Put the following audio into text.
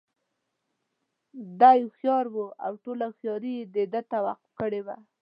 دى هوښيار وو او ټوله هوښياري یې دې ته وقف کړې وه.